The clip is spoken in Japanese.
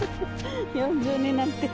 ４０年なんて。